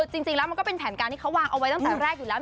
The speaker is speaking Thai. จริงแล้วมันก็เป็นแผนการที่เขาวางเอาไว้ตั้งแต่แรกอยู่แล้ว